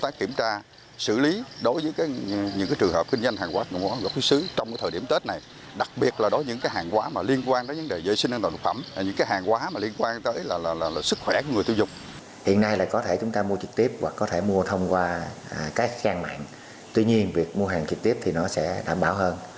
tuy nhiên việc mua hàng trực tiếp thì nó sẽ đảm bảo hơn